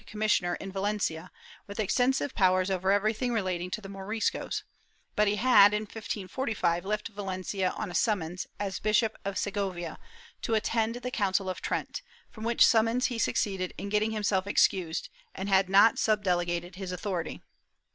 374 MOEISCOS [Book VIII missioner" in Valencia, with extensive powers over everything relating to the Moriscos, but he had, in 1545, left Valencia, on a summons, as Bishop of Segovia, to attend the Council of Trent — from which summons he succeeded in getting himself excused — and had not subdelegated his authority.